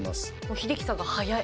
英樹さんが早い。